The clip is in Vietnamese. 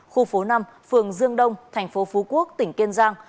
khu phố năm phường dương đông thành phố phú quốc tỉnh kiên giang